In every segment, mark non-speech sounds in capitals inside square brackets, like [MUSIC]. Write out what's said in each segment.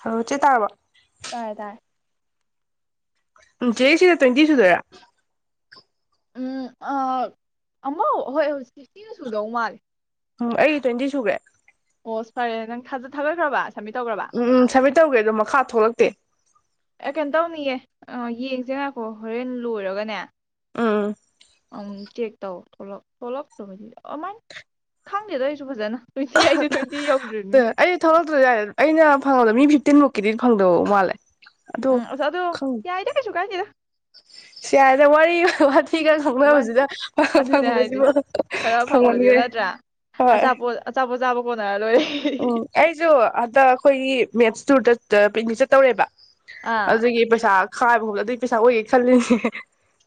hello ꯆꯦ ꯇꯥꯔꯕꯣ ꯇꯥꯔꯦ ꯇꯥꯔꯦ ꯎꯝ ꯆꯦꯒꯤ ꯁꯤꯒ ꯇ꯭ꯋꯦꯟꯇꯤ ꯁꯨꯗꯣꯏꯔꯥ ꯎꯝ ꯑꯥ ꯑꯃ ꯍꯣꯏ ꯍꯧꯖꯤꯛ ꯁꯤꯐꯇꯤꯒ ꯁꯨꯗꯧ ꯃꯥꯜꯂꯦ ꯎꯝ ꯑꯩ ꯇ꯭ꯋꯦꯟꯇꯤ ꯁꯨꯈ꯭ꯔꯦ ꯑꯣ ꯏꯁ ꯐꯔꯦ ꯅꯪ ꯊꯖ ꯊꯥꯒꯠꯈ꯭ꯔꯕ ꯁꯕꯃꯤꯠ ꯇꯧꯈ꯭ꯔꯕ ꯎꯝꯎꯝ ꯁꯃꯤꯠ ꯇꯧꯒ꯭ꯔꯦꯗꯣ ꯃꯈꯥ ꯊꯣꯛꯂꯛꯇꯦ ꯑꯦ ꯀꯩꯅꯣ ꯇꯧꯅꯤꯌꯦ ꯑ ꯌꯦꯡꯁꯦ ꯉꯥꯏꯈꯣ ꯍꯣꯔꯦꯟ ꯂꯣꯏꯔꯒꯅꯦ ꯎꯝ ꯑꯃꯨꯛꯃꯨꯛ ꯆꯦꯛ ꯇꯧ ꯊꯣꯛꯂꯛ ꯊꯣꯛꯂꯛꯇꯕꯅꯤ ꯑꯃꯥꯏ ꯈꯪꯗꯦꯗ ꯑꯩꯁꯨ ꯐꯖꯅ ꯇ꯭ꯋꯦꯟꯇꯤ ꯑꯍ ꯑꯩꯁꯨ ꯇ꯭ꯋꯦꯟꯇꯤ ꯌꯧꯗ꯭ꯔꯤꯅꯤ ꯑꯍ ꯑꯩ ꯊꯣꯛꯂꯛꯇ꯭ꯔꯁꯨ ꯌꯥꯏꯔꯦ ꯑꯩꯅ ꯐꯪꯉꯕꯗ ꯃꯤ ꯐꯤ ꯇꯤꯟꯃꯨꯛꯀꯤꯗꯤ ꯐꯪꯗꯕ ꯃꯥꯂꯦ ꯎꯝ ꯑꯁ ꯑꯗꯣ ꯌꯥꯏꯗ ꯀꯩꯁꯨ ꯀꯥꯏꯗꯦꯗ ꯁꯤ ꯌꯥꯔꯦꯗ ꯋꯥꯔꯤ ꯋꯥꯊꯤ ꯈꯔ ꯋꯥꯏ ꯉꯥꯡꯅꯕꯁꯤꯗ ꯑꯗꯨꯅꯦ ꯍꯥꯏꯁꯦ ꯐꯪꯕꯁꯤꯕꯨ ꯈꯔ ꯐꯪꯕꯁꯤꯕꯨ ꯐꯪꯃꯟꯈ꯭ꯔꯦ ꯅꯠꯇ꯭ꯔꯥ ꯍꯣꯏ ꯑꯆꯥꯄꯣꯠ ꯑꯆꯥꯄꯣꯠ ꯆꯥꯕ ꯀꯣꯟꯅꯔ ꯂꯣꯏꯔꯦ ꯎꯝ ꯑꯩꯁꯨ ꯑꯣ ꯍꯟꯇꯛ ꯑꯩꯈꯣꯏꯒꯤ ꯃꯦꯠꯁ ꯇꯨꯔꯗ ꯄꯤꯛꯅꯤꯛ ꯆꯠꯇꯧꯔꯦꯕ ꯑꯥ ꯑꯗꯨꯒꯤ ꯄꯩꯁꯥ ꯈꯥꯏꯕ ꯒꯨꯝꯕ ꯑꯗꯨꯒꯤ ꯄꯩꯁꯥ ꯑꯣꯏꯌꯦ ꯈꯜꯂꯤꯅꯦ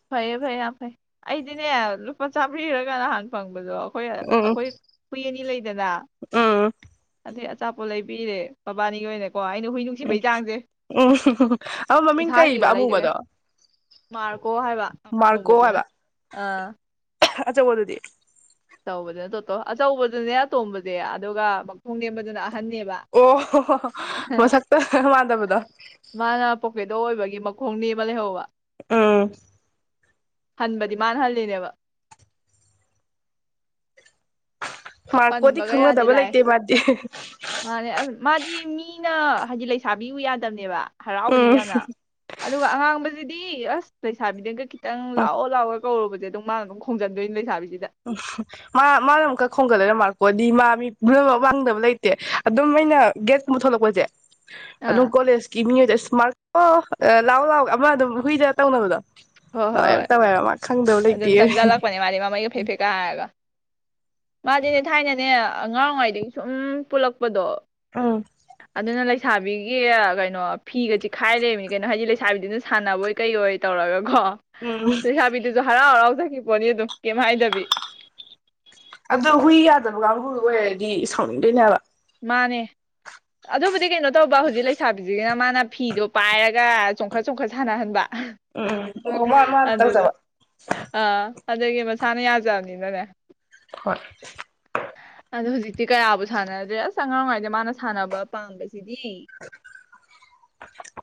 ꯐꯩꯌꯦ ꯐꯩꯌꯦ ꯌꯥꯝ ꯐꯩ ꯑꯩꯗꯤꯅꯦ ꯂꯨꯄꯥ ꯆꯥꯝꯃꯔꯤꯔꯒ ꯅꯍꯥꯟ ꯐꯪꯕꯗꯣ ꯑꯩꯈꯣꯏ ꯎꯝ ꯑꯩꯈꯣꯏ ꯍꯨꯏ ꯑꯅꯤ ꯂꯩꯗꯅ ꯎꯝ ꯑꯗꯩ ꯑꯆꯥꯄꯣꯠ ꯂꯩꯕꯤꯔꯦ ꯃꯕꯥꯅꯤꯒꯤ ꯑꯣꯏꯅ ꯎꯝ ꯎꯝ ꯑꯃ ꯍꯨ ꯍꯨ ꯍꯨ ꯃꯃꯤꯡ ꯀꯩꯕ ꯑꯃꯨꯕꯗꯣ ꯀꯣ ꯍꯥꯏꯕ ꯑꯃꯨꯕꯗꯨꯅ ꯑꯥ ꯑꯆꯧꯕ ꯗꯨꯗꯤ ꯑꯆꯧꯕꯗꯨꯅ ꯇꯣꯇꯣ ꯑꯆꯧꯕꯗꯨꯅꯦ ꯑꯇꯣꯝꯕꯗꯤ ꯑꯗꯨꯒ ꯃꯈꯣꯡ ꯅꯦꯝꯕꯗꯨꯅ ꯑꯍ ꯑꯣ ꯍꯣ ꯍꯣ ꯃꯁꯛꯇ ꯃꯥꯟꯗꯕꯗꯣ ꯃꯈꯣꯡꯅꯦꯝꯃ ꯂꯩꯍꯧꯕ ꯑꯨꯝ ꯍꯟꯕꯗꯤ ꯃꯥꯅ ꯍꯜꯂꯤꯅꯦꯕ ꯃꯥꯔꯀꯣꯗꯤ ꯄꯟꯕꯒ ꯌꯥꯗꯦ ꯈꯪꯅꯗꯕ ꯂꯥꯛꯑꯦ ꯂꯩꯇꯦ ꯃꯥꯗꯤ ꯍꯤ ꯍꯤ ꯃꯥꯅꯦ ꯑꯁ ꯃꯥꯗꯤ ꯃꯤꯅ ꯍꯥꯏꯗꯤ ꯂꯩꯁꯥꯕꯤ ꯎꯨ ꯌꯥꯗꯕꯅꯦꯕ ꯍꯔꯥꯎꯕꯅꯦꯕ ꯎꯝ ꯌꯥꯝꯅ ꯑꯗꯨꯒ ꯑꯉꯥꯡꯕꯖꯦ ꯑꯗꯨꯗꯤ ꯑꯁ ꯂꯩꯁꯕꯤꯗꯒ ꯆꯪ ꯂꯥꯛꯑꯣ ꯂꯥꯛꯑꯣ ꯀꯧꯔꯨꯕꯁꯦ ꯑꯗꯨ ꯃꯥꯅ ꯑꯗꯨꯝ ꯈꯣꯡꯖꯟꯗꯣꯏꯅꯤ ꯂꯩꯁꯥꯕꯤ ꯎꯝ ꯃꯥ ꯃꯥꯅ ꯑꯃꯨꯛꯀ ꯈꯣꯡꯒꯜꯂꯒ ꯃꯥꯔ ꯀꯣꯗꯤ ꯃꯥ ꯃꯤ ꯄꯨꯝꯅꯃꯛ ꯋꯥꯡꯗꯕ ꯂꯩꯇꯦ ꯑꯗꯨꯝ ꯑꯩꯅ ꯒꯦꯁꯀꯨꯝꯕ ꯊꯣꯛꯂꯛꯄꯁꯦ ꯑꯗꯨꯝ ꯑꯥ ꯀꯣꯂꯦꯖꯀꯤ ꯃꯤ ꯑꯣꯏꯗꯤ ꯃꯥꯔꯀꯣ ꯂꯥꯎ ꯂꯥꯎ ꯑꯃ ꯑꯗꯨꯝ ꯍꯨꯏꯗꯒ ꯇꯧꯅꯕꯗꯣ ꯍꯣꯏ ꯍꯣꯏ ꯍꯣꯏ [UNINTELLIGIBLE] ꯃꯥ ꯈꯪ ꯑꯗꯨꯝ ꯆꯪꯖꯜꯂꯛꯄꯅꯦ ꯃꯥꯗꯤ ꯃꯃꯩ ꯐꯦ ꯐꯦ ꯀꯥ ꯍꯥꯏꯔꯒ ꯃꯥꯗꯤꯦꯅꯦ ꯊꯥꯏꯅꯅꯦ ꯑꯉꯥꯡ ꯋꯥꯏꯗꯒꯤ ꯁꯨꯝ ꯄꯨꯜꯂꯛꯄ ꯄꯗꯣ ꯎꯝ ꯑꯗꯨꯅ ꯂꯩ ꯂꯩꯁꯥꯕꯤꯒꯤ ꯀꯩꯅꯣ ꯐꯤꯒ ꯆꯤꯈꯥꯏ ꯂꯩꯔꯝꯃꯤꯅꯤ ꯀꯩꯅꯣ ꯍꯥꯏꯗꯤ ꯂꯩꯁꯥꯕꯤꯗꯨꯅ ꯁꯥꯟꯅꯕꯣꯏ ꯀꯩꯕꯣꯏ ꯇꯧꯔꯒ ꯍꯣ ꯎꯝ ꯂꯩꯁꯥꯕꯤ ꯍꯔꯥꯎ ꯍꯔꯥꯎ ꯆꯠꯈꯔ꯭ꯤ ꯄꯣꯅꯤ ꯑꯗꯨꯝ ꯀꯩꯝ ꯍꯥꯏꯗꯕꯤ ꯑꯗꯨ ꯍꯨꯏ ꯌꯥꯗꯕ ꯀꯥꯡꯕꯨꯗꯨ ꯑꯣꯏꯔꯗꯤ ꯁꯥꯎꯅꯤꯡꯗꯣꯏꯅꯦ ꯍꯥꯏꯕꯥ ꯃꯥꯅꯦ ꯑꯗꯨꯕꯨꯗꯤ ꯀꯩꯅꯣ ꯇꯧꯕ ꯍꯧꯖꯤꯛ ꯂꯩꯁꯥꯕꯤꯁꯤꯒꯤꯅ ꯃꯥꯅ ꯐꯤꯗꯣ ꯄꯥꯏꯔꯒ ꯆꯣꯡꯈꯠ ꯆꯣꯡꯈꯠ ꯁꯥꯟꯅꯍꯟꯕ ꯎꯝ ꯃꯥ ꯃꯥ ꯑꯗꯨꯗ ꯇꯧꯖꯕ ꯑꯥ ꯑꯗꯒꯤ ꯃꯁꯥꯅ ꯌꯥꯖꯕꯅꯤꯅꯅꯦ ꯍꯣꯏ ꯑꯗꯣ ꯍꯧꯖꯤꯛꯇꯤ ꯀꯌꯥꯕꯨ ꯁꯥꯟꯅꯗ꯭ꯔꯦ ꯑꯁ ꯑꯉꯥꯡ ꯑꯣꯏꯔꯤꯉꯩꯗ ꯃꯥꯅ ꯁꯥꯟꯅꯕ ꯄꯥꯝꯕꯁꯦ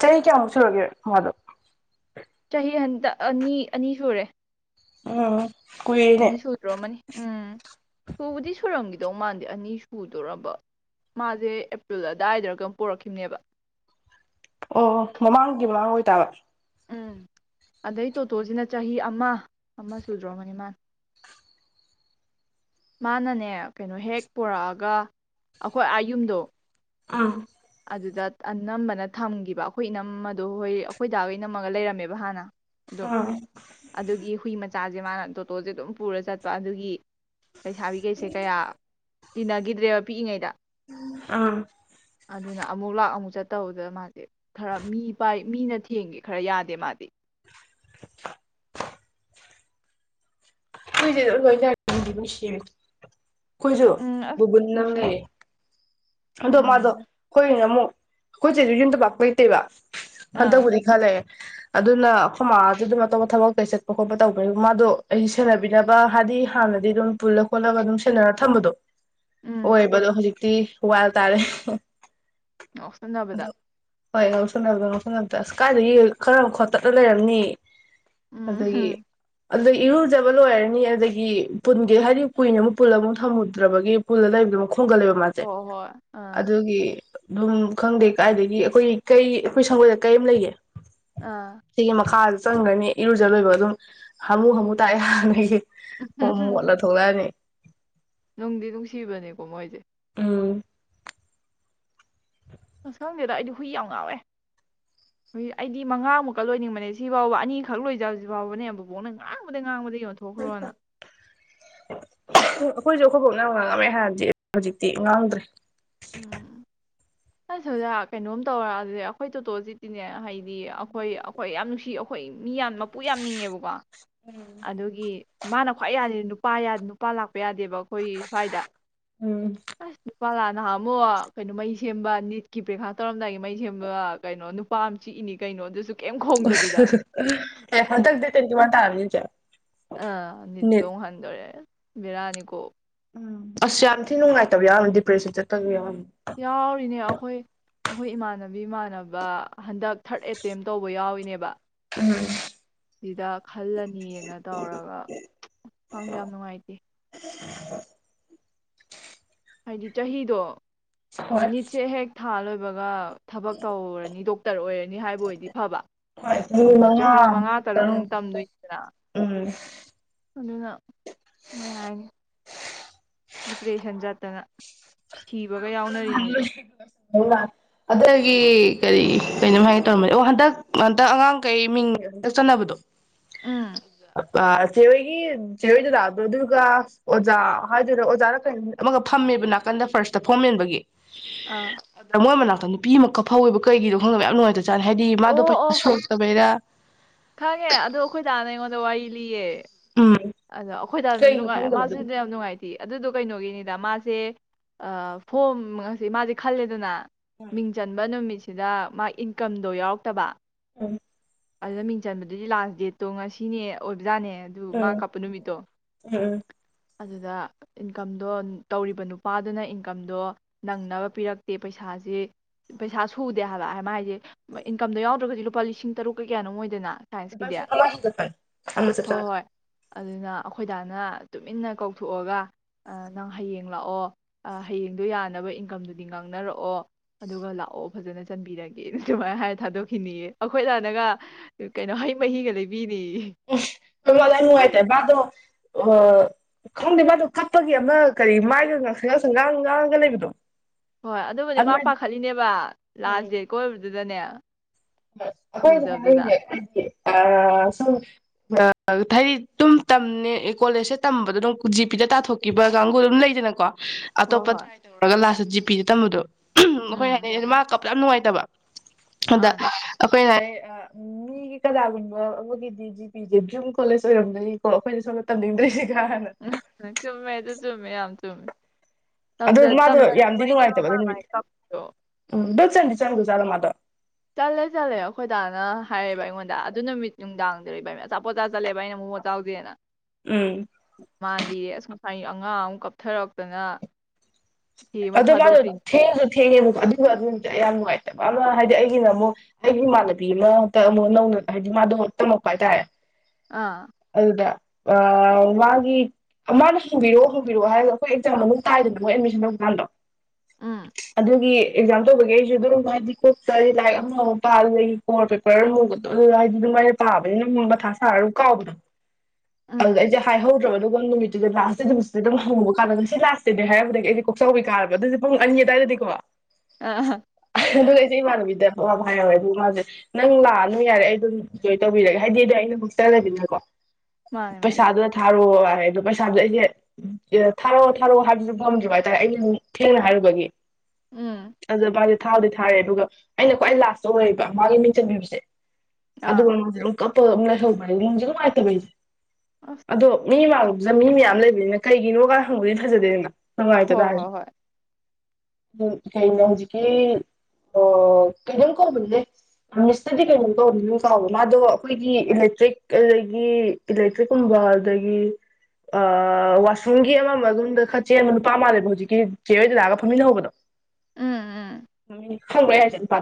ꯆꯍꯤ ꯀꯌꯥꯃꯨꯛ ꯁꯨꯔꯒꯦ ꯍꯋꯥ ꯗꯣ ꯆꯍꯤ ꯍꯟꯗꯛ ꯑꯅꯤ ꯑꯅꯤ ꯁꯨꯔꯦ ꯑꯥ ꯑꯅꯤ ꯁꯨꯗ꯭ꯔꯣꯃꯅꯤ ꯎꯝ ꯁꯨꯕꯗꯤ ꯁꯨꯔꯝꯈꯤꯗꯧ ꯃꯥꯟꯗꯦ ꯑꯅꯤ ꯁꯨꯗꯧꯔꯕ ꯃꯥꯁꯦ ꯑꯦꯄ꯭ꯔꯤꯜ ꯑꯗꯥꯏꯗꯔ ꯀꯩꯅꯣꯝ ꯄꯣꯔꯛꯈꯤꯕꯅꯦꯕ ꯑꯣꯑꯣ ꯃꯃꯥꯡꯒꯤ ꯋꯥ ꯑꯣꯏꯇꯥꯕ ꯎꯝ ꯑꯗꯩ ꯇꯣꯇꯣꯁꯤꯅ ꯆꯍꯤ ꯑꯃ ꯑꯃ ꯁꯨꯗ꯭ꯔꯣꯔꯃꯅꯤ ꯃꯅꯥ ꯃꯥꯅꯅꯦ ꯀꯩꯅꯣ ꯍꯦꯛ ꯄꯨꯔꯛꯑꯒ ꯑꯈꯣꯏ ꯑꯥ ꯌꯨꯝꯗꯣ ꯑꯥ ꯑꯗꯨꯗ ꯑꯅꯝꯕꯅ ꯊꯝꯒꯤꯕ ꯑꯈꯣꯏ ꯏꯅꯝꯃꯗꯣ ꯍꯣꯏ ꯑꯈꯣꯏꯗꯥꯒ ꯏꯅꯝꯃꯒ ꯂꯩꯔꯝꯃꯦꯕ ꯍꯥꯟꯅ ꯑꯗꯨꯝ ꯑꯗꯨꯒꯤ ꯍꯨꯏ ꯃꯆꯥꯁꯦ ꯃꯥꯅ ꯇꯣꯇꯣꯁꯦ ꯑꯗꯨꯝ ꯄꯨꯔ ꯆꯠꯄ ꯑꯗꯨꯒꯤ ꯂꯩꯁꯕꯤꯈꯩꯁꯦ ꯀꯌꯥ ꯇꯤꯟꯅꯒꯤꯗ꯭ꯔꯦꯕ ꯄꯤꯛꯏꯉꯩꯗ ꯑꯥ ꯑꯗꯨꯅ ꯑꯃꯨꯛ ꯂꯥꯛ ꯑꯃꯨꯛ ꯆꯠꯇꯧꯕꯗ ꯃꯥꯁꯦ ꯈꯔ ꯃꯤ ꯄꯥꯏ ꯃꯤꯅ ꯊꯦꯡꯒꯦ ꯈꯔ ꯌꯥꯗꯦ ꯃꯥꯗꯤ [INAUDIBLE] ꯍꯨꯏꯁꯦ ꯑꯗꯨꯝ ꯂꯣꯏꯅꯔꯥ ꯅꯨꯡꯗꯤ ꯅꯨꯡꯁꯤꯕꯅꯦ ꯑꯈꯣꯏꯁꯨ ꯎꯝ ꯑꯁ ꯕꯨꯕꯨꯟ ꯑꯃꯥ ꯅꯨꯡꯁꯤꯌꯦ ꯂꯩꯌꯦ ꯑꯗꯣ ꯃꯥꯗꯣ ꯎꯝ ꯑꯈꯣꯏꯅ ꯑꯃꯨꯛ ꯑꯈꯣꯢ ꯆꯦꯖꯨ ꯌꯨꯝꯗ ꯄꯥꯛ ꯂꯩꯇꯦꯕꯥ ꯑꯥ ꯍꯜꯗꯛꯕꯨꯗꯤ ꯈꯥ ꯂꯩꯌꯦ ꯑꯗꯨꯅ ꯑꯈꯣꯏ ꯃꯗꯨꯗꯤ ꯑꯗꯨꯝ ꯑꯇꯣꯞꯄ ꯊꯕꯛ ꯀꯩ ꯆꯠꯄ ꯈꯣꯠꯄ ꯇꯧꯕꯅꯤ ꯃꯥꯗꯣ ꯑꯩ ꯁꯦꯟꯅꯕꯤꯅꯕ ꯍꯥꯏꯗꯤ ꯍꯥꯟꯅꯗꯤ ꯑꯗꯨꯝ ꯄꯨꯜꯂ ꯈꯣꯠꯂꯒ ꯑꯗꯨꯝ ꯁꯦꯟꯅꯔ ꯊꯝꯕꯗꯣ ꯎꯝ ꯑꯣꯏꯌꯦꯕꯥ ꯑꯗꯣ ꯍꯧꯖꯤꯛ ꯇꯤ ꯋꯥꯏꯜ ꯇꯥꯔꯦ ꯉꯥꯎꯁꯟꯅꯕꯗꯥ ꯑꯗꯣ ꯍꯣꯏ ꯉꯥꯎꯁꯟꯅꯕꯗ ꯉꯥꯎꯁꯟꯅꯗ ꯑꯁ ꯀꯥꯏꯗꯒꯤ ꯈꯔ ꯈꯣꯠꯇꯠꯅ ꯂꯩꯔꯝꯅꯤ ꯑꯗꯨꯒꯤ ꯎꯝ ꯑꯗꯨ ꯏꯔꯨ ꯐꯖꯕꯅ ꯂꯣꯏꯔꯅꯤ ꯑꯗꯒꯤ ꯄꯨꯟꯒꯦ ꯍꯥꯏꯗꯤ ꯀꯨꯏꯅ ꯑꯃꯨꯛ ꯄꯨꯜꯂ ꯑꯃꯨꯛ ꯊꯝꯃꯨꯗ꯭ꯔꯕꯒꯤ ꯄꯨꯜꯂ ꯂꯩꯕꯗꯨ ꯍꯣꯡꯒꯠꯂꯦꯕ ꯃꯥꯁꯦ ꯍꯣꯏ ꯍꯣꯏ ꯑꯥ ꯑꯗꯨꯒꯤ ꯑꯗꯨꯝ ꯈꯪꯗꯦ ꯀꯥꯏꯗꯒꯤ ꯑꯩꯈꯣꯏ ꯀꯩ ꯑꯩꯈꯣꯏ ꯁꯪꯒꯣꯏꯗ ꯀꯩ ꯑꯃ ꯂꯩꯌꯦ ꯑꯥ ꯁꯤꯒꯤ ꯃꯈꯥ ꯆꯪꯒꯅꯤ ꯏꯔꯨꯖꯂꯣꯏꯕ ꯑꯗꯨꯝ ꯍꯥꯃꯨ ꯍꯥꯃꯨ ꯇꯥꯏ ꯍꯤꯏꯌꯦ ꯑꯣ ꯃꯣꯠꯂ ꯊꯣꯛꯂꯛꯑꯅꯤ ꯅꯨꯡꯗꯤ ꯅꯨꯡꯁꯤꯕꯅꯦꯀꯣ ꯃꯣꯏꯁꯦ ꯎꯝ ꯑꯁ ꯈꯪꯗꯦꯗ ꯑꯩꯗꯤ ꯍꯨꯏ ꯌꯥꯝ ꯉꯥꯎꯋꯦ ꯍꯨꯏ ꯑꯩꯗꯤ ꯃꯉꯥꯃꯨꯛꯀ ꯂꯣꯏꯅꯤꯡꯕꯅꯦ ꯁꯤ ꯐꯥꯎꯕ ꯑꯅꯤꯈꯛ ꯂꯣꯏꯖꯕꯁꯤ ꯐꯥꯎꯕꯅꯦ ꯕꯨꯕꯣꯛꯅ ꯉꯥꯡꯕꯗ ꯉꯥꯡꯕꯗꯒꯤ ꯌꯣꯟꯊꯣꯛꯈ꯭ꯔꯣꯅ ꯑꯩꯈꯣꯏꯁꯨ ꯑꯩꯈꯣꯏꯕꯣꯛꯅ ꯉꯥꯡꯉꯝꯃꯦ ꯍꯥꯟꯅꯗꯤ ꯍꯧꯖꯤꯛꯇꯤ ꯉꯥꯡꯗ꯭ꯔꯦ ꯎꯝ ꯑꯩꯁ ꯑꯣꯖꯥ ꯀꯩꯅꯣꯝ ꯇꯧꯔꯛꯑꯗꯤ ꯑꯩꯈꯣꯏ ꯇꯣꯇꯣꯖꯤꯗꯤꯅꯦ ꯍꯩ ꯑꯈꯣꯏ ꯑꯈꯣꯏ ꯌꯥꯝ ꯅꯨꯡꯁꯤ ꯁꯤ ꯑꯈꯣꯏ ꯃꯤ ꯌꯥꯝ ꯃꯄꯨ ꯌꯥꯝꯅꯤꯡꯉꯦꯕꯀꯣ ꯎꯝ ꯃꯥꯅ ꯈ꯭ꯋꯥꯏ ꯌꯥꯗꯖꯤ ꯅꯨꯄꯥ ꯅꯨꯄꯥ ꯂꯥꯛꯄ ꯌꯥꯗꯦꯕ ꯑꯩꯈꯣꯏ ꯁ꯭ꯋꯥꯏꯗ ꯎꯝ ꯑꯁ ꯅꯨꯄꯥ ꯂꯥꯟ ꯅꯍꯥꯟꯃꯨꯛ ꯀꯩꯅꯣ ꯃꯩ ꯁꯦꯝꯕ ꯅꯤꯠꯀꯤ ꯄꯩꯈꯥ ꯇꯧꯔꯝꯗꯥꯏꯒꯤ ꯃꯩ ꯁꯦꯝꯕ ꯀꯩꯅꯣ ꯅꯨꯄꯥ ꯑꯃ ꯆꯤꯛꯏꯅꯤ ꯀꯩꯅꯣ ꯑꯗꯨꯁꯨ ꯀꯩꯝ ꯈꯣꯡꯗꯕꯤꯗ ꯑꯦ ꯍ ꯍ ꯍꯟꯇꯛ ꯗꯦꯠ ꯇ꯭ꯋꯦꯟꯇꯤꯋꯥꯜ ꯇꯥꯔꯝꯅꯤ [UNINTELLIGIBLE] ꯑ ꯅꯤꯠꯗꯣ ꯃꯨꯛ ꯍꯥꯟꯗꯣꯔꯦ ꯕꯦꯔꯅꯤꯀꯣ ꯎꯝ ꯑꯁ ꯌꯥꯝ ꯊꯤꯅ ꯅꯨꯡꯉꯥꯏꯇꯕ ꯌꯥꯎꯔꯝꯗꯤ ꯎꯝ ꯌꯥꯎꯔꯤꯅꯦ ꯑꯈꯣꯏ ꯑꯈꯣꯏ ꯏꯃꯥꯟꯅ ꯕꯤ ꯏꯃꯥꯟꯅꯕ ꯍꯟꯗꯛ ꯊꯥꯔꯠ ꯑꯦꯇꯦꯝ ꯇꯧꯕ ꯌꯥꯎꯏꯅꯦꯕ ꯎꯝ ꯁꯤꯗ ꯈꯜꯂꯅꯤꯅ ꯇꯧꯔꯒ ꯈꯪꯗꯦ ꯌꯥꯝ ꯅꯨꯡꯉꯥꯏꯇꯦ ꯍꯥꯏꯗꯤ ꯆꯍꯤꯗꯣ ꯍꯣꯏ ꯅꯤꯠꯁꯦ ꯍꯦꯛ ꯊꯥ ꯂꯣꯏꯕꯒ ꯊꯕꯛ ꯇꯧꯔꯅꯤ ꯗꯣꯛꯇ꯭ꯔ ꯑꯣꯏꯔꯅꯤ ꯍꯥꯏꯕ ꯑꯣꯏꯗꯤ ꯐꯕ ꯆꯍꯤ ꯑꯃꯨꯛ ꯆꯍꯤ ꯃꯉꯥ ꯃꯉꯥꯃꯨꯛ ꯇꯔꯨꯛ ꯇꯔꯨꯛꯃꯨꯛ ꯇꯝꯗꯣꯏꯅꯤꯗꯅ ꯎꯝ ꯑꯗꯨꯅ ꯃꯣꯏ ꯍꯥꯏꯅꯦ ꯗꯤꯄꯔꯦꯁꯟ ꯆꯠꯇꯅ ꯁꯤꯕꯒ ꯌꯥꯎꯅꯔꯤꯅꯤꯗꯣ ꯑꯗꯒꯤ ꯀꯔꯤ ꯀꯩꯅꯣꯝ ꯍꯥꯏꯅ ꯇꯧꯔꯝꯕꯅꯦ ꯑꯣ ꯍꯟꯗꯛ ꯍꯟꯇꯛ ꯑꯉꯥꯡ ꯀꯩ ꯃꯤꯡꯒ ꯍꯟꯗꯛ ꯆꯟꯅꯕꯗꯣ ꯎꯝ ꯆꯦꯔꯣꯏꯒꯤ ꯆꯦꯔꯣꯏ ꯗꯗꯥꯗꯣ ꯑꯗꯨꯒ ꯑꯣꯖꯥ ꯍꯥꯏꯗꯨꯢꯔꯥ ꯑꯣꯖꯥꯔꯥ ꯀꯩꯅꯣ ꯑꯃꯒ ꯐꯝꯃꯦꯕ ꯅꯥꯀꯟꯗ ꯐꯥꯔꯁ ꯇ ꯐꯣꯝ ꯃꯦꯟꯕꯒꯤ ꯑꯥ ꯑꯗ ꯃꯣꯏ ꯃꯅꯥꯛ ꯑꯗ ꯅꯨꯄꯤ ꯑꯃꯥ ꯀꯞꯐꯧꯑꯦꯕ ꯀꯔꯤꯒꯤꯅꯣ ꯈꯪꯗꯕ ꯌꯥꯝ ꯅꯨꯉꯥꯏꯇꯥꯕ ꯍꯥꯏꯗꯤ ꯃꯥꯗꯣ ꯑꯣ ꯑꯣ ꯄꯩꯁꯥ ꯁꯨꯗꯕꯩꯔꯥ ꯈꯪꯉꯦ ꯑꯗꯣ ꯑꯈꯣꯏ ꯗꯅ ꯑꯩꯉꯣꯟꯗ ꯋꯥꯔꯤ ꯂꯤꯌꯦ ꯎꯝ ꯑꯗꯣ ꯑꯈꯣꯏ ꯗꯅꯥ ꯀꯩꯒꯤꯅꯣ ꯅꯨꯉꯥꯏ ꯈꯪꯗꯕ ꯑꯗꯨꯗꯣ ꯃꯁꯨꯅꯦ ꯌꯥꯝ ꯅꯨꯉꯥꯏꯇꯦꯌꯦ ꯑꯗꯨꯗꯣ ꯀꯩꯅꯣꯒꯤꯅꯤꯗ ꯃꯥꯁꯦ ꯑꯥ ꯐꯣꯝ ꯉꯁꯦ ꯃꯥꯁꯦ ꯈꯜꯂꯦꯗꯅ ꯃꯤꯡ ꯆꯟꯕ ꯅꯨꯃꯤꯠꯁꯤ ꯁꯤꯗ ꯃꯥ ꯏꯟꯀꯝꯗꯣ ꯌꯥꯎꯔꯛꯇꯕ ꯎꯝ ꯑꯗꯨꯅ ꯃꯤꯡ ꯆꯟꯕꯗꯨꯗꯤ ꯂꯥꯁ ꯗꯦꯠꯇꯣ ꯉꯁꯤꯅꯦ ꯑꯣꯏ ꯖꯥꯅꯦ ꯑꯗꯨ ꯃꯥ ꯎꯝ ꯀꯥꯞꯄ ꯅꯨꯃꯤꯠꯇꯣ ꯎꯝ ꯎꯝ ꯑꯗꯨꯗ ꯏꯟꯀꯝꯗꯣ ꯇꯧꯔꯤꯕ ꯅꯨꯄꯥꯗꯨꯅ ꯏꯟꯀꯝꯗꯣ ꯅꯪꯅꯕ ꯄꯤꯔꯛꯇꯦ ꯄꯩꯁꯥꯁꯤ ꯄꯩꯁꯥ ꯁꯨꯗꯦ ꯍꯥꯏꯕ ꯍꯥꯏ ꯃꯥ ꯍꯥꯏꯁꯦ ꯏꯟꯀꯝꯗꯣ ꯌꯥꯎꯗ꯭ꯔꯒꯗꯤ ꯂꯨꯄꯥ ꯂꯤꯁꯤꯡ ꯇꯔꯨꯛ ꯀꯥ ꯀꯌꯥꯅꯣꯃ ꯑꯣꯏꯗꯅ ꯂꯨꯄꯥ ꯂꯤꯁꯤꯡ ꯑꯃꯥ ꯍꯦꯟꯒꯠꯄꯅꯦ ꯑꯃꯥ ꯆꯞ ꯍꯣꯏ ꯆꯥꯅꯥ ꯍꯣꯏ ꯑꯗꯨꯅ ꯑꯈꯣꯏꯗꯥꯅ ꯇꯨꯃꯤꯟꯅ ꯀꯧꯊꯣꯛꯑꯒ ꯅꯪ ꯍꯌꯦꯡ ꯂꯥꯛꯑꯣ ꯍꯌꯦꯡꯗꯣ ꯌꯥꯅꯕ ꯏꯟꯀꯝꯗꯨꯗꯤ ꯉꯥꯡꯅꯔꯛꯑꯣ ꯑꯗꯨꯒ ꯂꯥꯛꯑꯣ ꯐꯖꯅ ꯆꯟꯕꯤꯔꯒꯦꯅ ꯑꯗꯨꯃꯥꯏꯅ ꯍꯥꯏꯔ ꯊꯥꯗꯣꯛꯈꯤꯅꯦꯌꯦ ꯑꯈꯣꯏꯗꯥꯅꯒ ꯀꯩꯅꯣ ꯍꯩ ꯃꯍꯤꯒ ꯂꯩꯕꯤ ꯌꯥꯝ ꯅꯨꯉꯥꯏꯇꯦ ꯃꯥꯗꯣ ꯍꯣꯍ ꯍꯣꯏ ꯈꯪꯗꯦ ꯃꯥꯗꯣ ꯀꯞꯄꯒꯤ ꯑꯃ ꯀꯔꯤ ꯃꯥꯏꯒ ꯉꯥꯡꯁꯪ ꯉꯥꯡꯁꯪ ꯉꯥꯡꯉꯒ ꯂꯩꯕꯗꯣ ꯍꯣꯏ ꯑꯗꯨꯕꯨꯗꯤ ꯃꯥ ꯑꯗꯨꯃꯥꯏꯅ ꯄꯥꯈꯠꯂꯤꯅꯦꯕ ꯎꯝ ꯂꯥꯁ ꯎꯝ ꯗꯦꯠꯀ ꯑꯣꯏꯕꯗꯨ ꯗꯅꯦ ꯑꯩꯈꯣꯏ ꯍꯥꯏꯅꯩꯅꯦ ꯍꯥꯏꯁꯦ ꯑꯥ ꯁꯨꯝ ꯇꯝꯅꯦ ꯀꯣꯂꯦꯁꯁꯦ ꯇꯝꯕꯗꯣ ꯑꯗꯨꯝ ꯖꯤ ꯄꯤꯗ ꯇꯥꯊꯣꯛꯈꯤꯕ ꯀꯥꯡꯒꯨꯗꯨ ꯑꯗꯨꯝ ꯂꯩꯗꯅꯀꯣ ꯍꯣꯏ ꯑꯇꯣꯞꯄ ꯍꯣꯏ ꯇ꯭ꯔꯥꯏ ꯇꯧꯔꯨꯔꯥꯒ ꯂꯥꯁꯇꯥ ꯖꯤꯄꯤꯗ ꯇꯝꯕꯗꯣ ꯑꯈꯣꯏ ꯍꯥꯏ ꯎꯝ ꯅꯩꯅꯦ ꯃꯥ ꯀꯞ ꯌꯥꯝ ꯅꯨꯡꯉꯥꯏꯇꯕ ꯃꯥꯅꯦ ꯑꯈꯣꯏꯅ ꯍꯥꯏꯔꯦ ꯃꯤꯒꯤ ꯀꯅꯥꯒꯨꯝꯕ ꯑꯃꯒꯤꯗꯤ G P J dream college ꯑꯣꯏꯔꯝꯗꯣꯏꯅꯤꯀꯣ ꯑꯈꯣꯏꯅ ꯁꯣꯝꯗ ꯇꯝꯅꯤꯡꯗ꯭ꯔꯤꯁꯦ ꯆꯨꯝꯃꯦ ꯑꯗꯨ ꯆꯨꯝꯃꯦ ꯌꯥꯝ ꯆꯨꯝꯃꯦ ꯑꯗꯨ ꯇꯝꯖ ꯃꯥꯗꯣ ꯌꯥꯝꯗꯤ ꯇꯝꯖꯅꯤꯡꯕꯩꯅꯦꯕ ꯅꯨꯡꯉꯥꯏꯇꯕ ꯃꯥ ꯃꯥꯏ ꯗꯨꯅꯨꯃꯤꯠꯇꯣ ꯀꯞꯄꯤꯗꯣ [UNINTELLIGIBLE] [UNINTELLIGIBLE] ꯆꯠꯂꯦ ꯆꯠꯂꯦ ꯑꯩꯈꯣꯏ ꯗꯥꯅ ꯍꯥꯏꯔꯦꯕ ꯑꯩꯉꯣꯟꯗ ꯑꯗꯨ ꯅꯨꯃꯤꯠ ꯅꯨꯡꯗꯥꯡꯗ ꯏꯕꯥꯟꯅꯤ ꯑꯆꯥꯄꯣꯠ ꯆꯥ ꯆꯠꯂꯦꯕ ꯑꯩꯅ ꯃꯣꯃꯣ ꯆꯥꯎꯁꯦꯅ ꯎꯝ [INAUDIBLE] ꯃꯥꯜꯂꯤꯌꯦ ꯍꯩ ꯑꯉꯥꯡ ꯑꯃ ꯀꯞꯊꯔꯛꯇꯅ [UNINTELLIGIBLE] ꯍꯣ ꯊꯦꯝꯃ ꯊꯥꯗꯣꯛꯈ꯭ꯔꯤꯅꯤ ꯑꯗꯨ ꯅꯨꯃꯤꯠꯇ ꯑꯩ ꯌꯥꯝ ꯅꯨꯡꯉꯥꯏꯇꯕ ꯑꯃ ꯍꯥꯏꯗꯤ ꯑꯩꯒꯤꯅ ꯑꯃꯨꯛ ꯑꯩꯒꯤ ꯏꯃꯥꯟꯅꯕꯤ ꯑꯃ ꯍꯟꯗꯛ ꯑꯃꯨꯛ ꯅꯧꯅ ꯍꯥꯏꯗꯤ ꯃꯥꯗꯣ ꯇꯝꯃꯛꯄ ꯍꯥꯏꯇꯥꯔꯦ ꯑꯥ ꯑꯗꯨꯗ ꯑꯥꯥ ꯃꯥꯒꯤ ꯃꯥꯅ ꯍꯪꯕꯤꯔꯛꯑꯣ ꯍꯪꯕꯤꯔꯛꯑꯣ ꯍꯥꯏꯔꯒ ꯑꯩꯈꯣꯏ ꯑꯦꯛꯖꯥꯝ ꯃꯅꯨꯡ ꯇꯥꯏꯗꯅ ꯎꯝ ꯑꯗꯨꯒꯤ ꯑꯦꯛꯖꯥꯝ ꯇꯧꯕꯒꯤ ꯑꯩꯁꯨ ꯑꯗꯨꯝ ꯍꯥꯏꯗꯤ ꯀꯣꯛ ꯆꯥꯛꯑꯦ ꯂꯥꯏꯔꯤꯛ ꯑꯃꯃꯨꯛ ꯄꯥꯔꯨꯕꯩ ꯀꯣꯔ ꯄꯦꯄꯔ ꯍꯧꯕꯗꯣ ꯍꯥꯏꯗꯤ ꯑꯗꯨꯃꯥꯏꯅ ꯄꯥꯕꯅꯤꯅ ꯃꯨꯛ ꯃꯊꯥ ꯁꯥꯔꯒ ꯀꯥꯎꯕꯗꯣ ꯑꯧꯗ ꯎꯝ ꯑꯩꯁꯦ ꯍꯥꯏꯍꯧ ꯑꯗꯨꯒ ꯅꯨꯃꯤꯠꯇꯨꯗ ꯂꯥꯁꯇ ꯅꯨꯃꯤꯁꯗ ꯑꯗꯨꯝ ꯍꯪꯉꯨꯕ ꯀꯥꯟꯗ ꯉꯁꯤ ꯂꯥꯁ ꯗꯦꯗ ꯅꯤ ꯍꯥꯏꯔꯛꯄꯗꯩꯗꯤ ꯑꯩ ꯀꯣꯛꯆꯥꯎꯕꯤ ꯀꯥꯔꯒ ꯑꯗꯨꯗꯤ ꯄꯨꯡ ꯑꯅꯤ ꯑꯗ꯭ꯋꯥꯏꯗꯗꯤꯀꯣ ꯑꯥ ꯑꯗꯨ ꯂꯩꯩꯁꯦ ꯏꯃꯥꯟꯕꯤꯗ ꯋꯥ ꯃ ꯍꯥꯏꯔꯔꯣꯏ ꯑꯗꯨꯒ ꯃꯥꯁꯦ ꯅꯪ ꯂꯥꯛꯑꯅꯨ ꯌꯥꯔꯦ ꯑꯩ ꯑꯗꯨꯝ ꯖꯣꯏꯟ ꯇꯧꯕꯤꯔꯒꯦ ꯍꯥꯏꯗꯤ ꯑꯩꯅ ꯕꯨꯁꯇꯔꯕꯤꯅꯀꯣ ꯃꯥꯅꯦ ꯃꯥꯅꯦ ꯄꯩꯁꯥꯗꯨꯅ ꯊꯥꯔꯑꯣ ꯑꯗꯣ ꯄꯩꯁꯥ ꯑꯩꯗꯤ ꯊꯥꯔꯛꯑꯣ ꯊꯥꯔꯛꯑꯣ ꯍꯥꯏꯕꯁꯨ ꯄꯝꯗ꯭ꯔꯕ ꯑꯩꯅ ꯊꯦꯡꯅ ꯍꯥꯏꯔꯨꯕꯒꯤ ꯎꯝ [UNINTELLIGIBLE] ꯊꯥꯗꯤ ꯊꯥꯔꯦ ꯑꯗꯨꯒ ꯑꯩꯅ ꯈ꯭ꯋꯥꯏ ꯂꯥꯁꯇ ꯑꯣꯏꯌꯦꯕ ꯃꯥꯒꯤ ꯃꯤꯡꯆꯟꯕꯤꯕꯁꯦ ꯑꯗꯨ ꯑꯥ [UNINTELLIGIBLE] ꯀꯞꯄ ꯑꯝ ꯂꯩꯍꯧꯕ ꯅꯨꯡꯁꯨ ꯅꯨꯉꯥꯏꯇꯕ ꯑꯩꯁꯦ ꯑꯁ ꯑꯗꯣ ꯃꯤ ꯃꯥꯡꯗꯨꯗ ꯃꯤ ꯃꯌꯥꯝ ꯂꯩꯕꯅꯤꯅ ꯀꯩꯒꯤꯅꯣꯒ ꯍꯪꯕꯗꯤ ꯐꯖꯗꯦꯗꯅ ꯅꯨꯡꯉꯥꯏ ꯍꯣꯏ ꯍꯣꯏ ꯍꯣꯏ ꯎ ꯀꯩꯅꯣ ꯍꯧꯖꯤꯛꯀꯤ ꯑꯥ ꯀꯩꯅꯣꯝ ꯀꯧꯕꯅꯦ ꯃꯤꯁꯇꯗꯤ ꯀꯩꯅꯣꯝ ꯀꯧꯕꯅꯤ ꯀꯥꯎꯔꯦ ꯃꯥꯗꯣ ꯑꯩꯈꯣꯏꯒꯤ ꯏꯂꯦꯛꯇ꯭ꯔꯤꯛ ꯑꯗꯒꯤ ꯏꯂꯦꯛꯇ꯭ꯔꯤꯛꯀꯨꯝꯕꯗꯒꯤ ꯋꯥꯁꯔꯨꯝꯒꯤ ꯑꯃꯃ ꯗꯨꯝꯕ ꯈꯥꯆꯦꯕ ꯅꯨꯄꯥ ꯃꯥ ꯍꯧꯖꯤꯛꯀꯤ ꯆꯦ ꯔꯕꯅꯒ ꯐꯝꯃꯤꯟꯅꯍꯧꯕꯗꯣ ꯎꯝ ꯎꯝ ꯈꯪꯗ꯭ꯔꯣ ꯑꯩ ꯍꯥꯏꯁꯦ ꯑꯝꯇ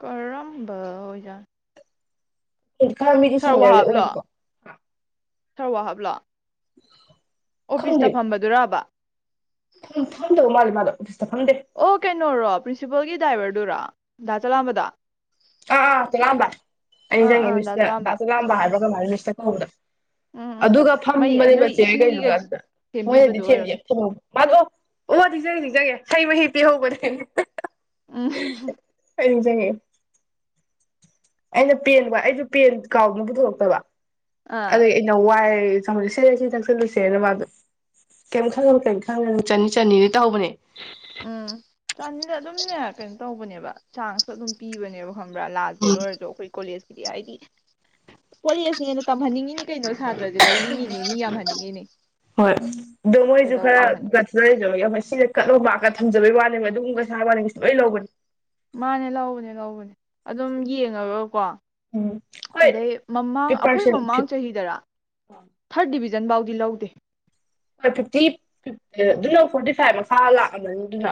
ꯀꯔꯝꯕ ꯑꯣꯏꯖꯥꯠꯅꯣ [UNINTELLIGIBLE] ꯈꯥ ꯃꯤꯗꯨ ꯁꯦꯟꯌꯔꯗꯤ ꯑꯣꯏꯌꯦꯕꯀꯣ ꯈꯔ ꯋꯥ ꯍꯕꯂꯣ [INAUDIBLE] ꯑꯣꯐꯤꯁꯇ ꯐꯝꯕꯗꯨꯔꯕ ꯊ ꯇꯧ ꯃꯥꯂꯤ ꯃꯥꯗꯣ ꯐꯝꯗꯦ ꯑꯣ ꯀꯩꯅꯣꯔꯣ ꯄ꯭ꯔꯤꯟꯁꯤꯄꯜꯒꯤ ꯗ꯭ꯔꯥꯏꯚꯔꯗꯨꯔ ꯗꯥ ꯆꯥꯂꯝꯕꯗꯣ ꯑꯥ ꯑꯥ ꯆꯥꯂꯝꯕ ꯑꯩ ꯅꯤꯡꯖꯪꯉꯦ ꯑꯥ ꯃꯤꯁꯅ ꯗꯥ ꯆꯂꯥꯝꯕ ꯆꯥꯂꯥꯝꯕ ꯎꯝ ꯍꯥꯏꯕ꯭ꯔ ꯎꯝ ꯀꯩꯅꯣꯝ ꯍꯥꯏꯕ ꯃꯤꯁ ꯎꯝ [INAUDIBLE] ꯎꯝ ꯑꯗꯨꯒ ꯐꯝꯃ ꯃꯩ ꯅꯣꯏ ꯆꯥ꯭ꯔ ꯏꯁꯤꯡꯒꯤꯒ ꯒꯩꯗꯨꯗ ꯃꯣꯏꯅꯗꯤ ꯁꯦꯝꯕꯤꯕꯗꯣ ꯑꯣꯏꯔꯝꯅꯤ [UNINTELLIGIBLE] ꯃꯥꯗꯑꯣ ꯑꯣ ꯅꯤꯡꯖꯪꯑꯦ ꯅꯤꯡꯖꯪꯉꯦ ꯍꯩ ꯃꯍꯤ ꯄꯤ ꯍꯧꯕꯅꯦ ꯎꯝ ꯑꯩꯪ [UNINTELLIGIBLE] ꯑꯩꯅ ꯄꯦꯟꯕ ꯑꯩꯁꯨ ꯄꯦꯟ ꯀꯥꯎꯅ ꯄꯨꯊꯣꯔꯛꯇꯕ ꯑꯥ ꯑꯗꯩ ꯑꯩꯅ ꯋꯥꯏ ꯆꯪꯁꯤꯜꯂꯨꯁꯦ ꯆꯪꯁꯤꯜꯂꯨꯁꯦꯅ ꯃꯥꯗꯣ ꯀꯩꯝ ꯈꯟꯅꯨ ꯀꯩꯝ ꯈꯟꯅꯨ ꯆꯟꯅꯤ ꯆꯟꯅꯤꯗꯤ ꯇꯧꯍꯧꯕꯅꯦ ꯎꯝ ꯆꯥꯟꯗꯤꯗ ꯑꯗꯨꯝꯅꯦ ꯀꯩꯅꯣ ꯇꯧꯕꯅꯦꯕ ꯆꯥꯟꯁꯨ ꯑꯗꯨꯝ ꯄꯤꯕꯅꯦꯕ ꯈꯪꯕ ꯂꯥꯁ ꯗꯦꯠ ꯎꯝ ꯑꯣꯏꯔꯁꯨ ꯑꯩꯈꯣꯏ ꯀꯣꯂꯦꯁ ꯗꯤ ꯍꯥꯏꯗꯤ ꯀꯣꯂꯦꯁꯅ ꯍꯦꯟꯅ ꯇꯝꯍꯟꯅꯤꯡꯉꯤꯅꯤ ꯀꯩꯅꯣ ꯁꯥꯇ꯭ꯔꯁꯦ ꯂꯧꯅꯤꯡꯉꯤꯅꯦ ꯃꯤ ꯌꯥꯝꯍꯟꯅꯤꯡꯉꯤꯅꯦ ꯍꯣꯏ ꯃꯣꯏꯖꯨ ꯀꯩꯗꯧ ꯈꯔꯥ ꯇꯝꯍꯟꯅꯤꯡꯉꯤ ꯒꯁꯇ ꯂꯩꯖꯕꯒꯤ ꯀꯥꯠꯇ ꯑꯣꯝ ꯃꯥꯛꯀ ꯊꯝꯖꯟꯕꯒꯤ ꯋꯥꯅꯤꯕ ꯑꯗꯨꯝ [UNINTELLIGIBLE] ꯃꯤꯁ ꯂꯣꯏ ꯂꯎꯕꯅꯤ ꯃꯥꯅꯦ ꯂꯧꯕꯅꯦ ꯂꯧꯕꯅꯦ ꯑꯗꯨꯝ ꯌꯦꯡꯑ ꯒꯀꯣ ꯎꯝ ꯍꯣꯏ ꯑꯗꯩ ꯃꯃꯥꯡ ꯐꯤꯞ ꯑꯩꯈꯣꯏ ꯄꯥꯔꯁꯦꯟ ꯃꯃꯥꯡ ꯐꯤꯞ ꯆꯍꯤꯗꯔꯥ ꯍꯣꯏ ꯊꯥꯔꯠ ꯗꯤꯕꯤꯖꯟ ꯖꯟꯕꯥꯎꯗꯤ ꯂꯧꯎꯗꯦ ꯍꯣꯏ ꯐꯤꯐꯇꯤ ꯐꯤꯇꯤ ꯑꯗꯨꯅ ꯐꯣꯔꯇꯤ ꯐꯥꯏꯚ ꯃꯈꯥ ꯂꯥꯛꯑꯕꯅꯤ ꯑꯗꯨꯅ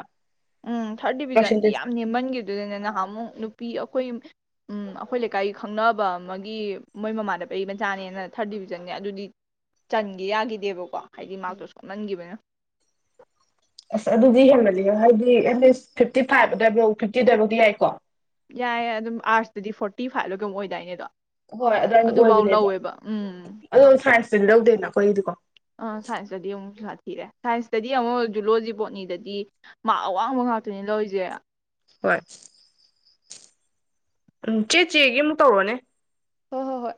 ꯎꯝ ꯊꯥꯔꯠ ꯗꯤꯕꯤꯖꯟꯗꯤ ꯌꯥꯝ ꯄꯥꯔꯁꯦꯟꯇꯦꯖꯇ ꯅꯦꯝꯃꯟꯈꯤꯕ ꯑꯗꯨꯗꯅ ꯑꯥ ꯅꯍꯥꯃꯨꯛ ꯅꯨꯄꯤ ꯑꯍꯨꯝ ꯑꯩꯈꯣꯏ ꯎꯝ ꯑꯩꯈꯣꯏ ꯂꯩꯀꯥꯏꯒꯤ ꯈꯪꯅꯕ ꯑꯃꯒꯤ ꯃꯣꯏ ꯃꯃꯥꯟꯗꯅꯕꯩ ꯃꯆꯥꯅꯦꯅ ꯊꯥꯔꯠ ꯗꯤꯕꯤꯖꯟꯅꯦ ꯑꯗꯨꯗꯤ ꯆꯟꯒꯦ ꯌꯥꯈꯤꯗꯦꯕꯀꯣ ꯍꯥꯏꯗꯤ ꯃꯥꯔꯛꯇꯣ ꯎꯝ ꯁꯣꯟꯃꯟꯈꯤꯕꯅ ꯑꯁ ꯑꯗꯨꯗꯤ ꯍꯦꯃꯜꯂꯤꯍꯦ ꯍꯥꯏꯗꯤ ꯑꯦꯠꯂꯤꯁ ꯐꯤꯐꯇꯤ ꯐꯥꯏꯚ ꯑꯗꯨ ꯋꯥꯏꯐꯧ ꯐꯤꯐꯇꯤꯗꯋꯥꯏꯐꯥꯎꯗꯤ ꯌꯥꯏꯀꯣ ꯌꯥꯏꯌꯦ ꯑꯗꯨꯝ ꯑꯥꯔꯁꯇꯇꯗꯤ ꯐꯣꯔꯇꯤ ꯐꯥꯏꯚ ꯂ ꯀꯩꯅꯣꯝ ꯑꯣꯏꯗꯥꯏ ꯅꯦꯗꯣ ꯍꯣꯏ ꯑꯗꯨꯅ ꯑꯣꯏꯕꯅꯦꯕ ꯎꯝ ꯑꯗꯣ ꯁꯥꯏꯟꯁ ꯂꯧꯗꯦꯅ ꯑꯩꯈꯣꯏꯒꯤꯗꯤꯀꯣ ꯑꯥ ꯁꯥꯏꯟꯁꯇꯗꯤ ꯑꯃꯨꯛ ꯁꯥ ꯊꯤꯔꯦ ꯁꯥꯏꯟꯁꯇꯗꯤ ꯑꯃꯨꯛ ꯖꯨꯂꯣꯖꯤ ꯄꯣꯠꯅꯤꯗꯗꯤ ꯃꯥꯥꯛ ꯑꯋꯥꯡꯕ ꯉꯥꯛꯇꯅꯤ ꯂꯧꯔꯤꯁꯦ ꯍꯣꯏ ꯎꯝ ꯆꯦ ꯆꯦꯒꯤ ꯑꯃꯨꯛ ꯇꯧꯔꯣꯅꯦ ꯍꯣꯏ ꯍꯣꯏ ꯍꯣꯏ